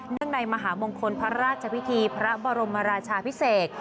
งในมหามงคลพระราชพิธีพระบรมราชาพิเศษ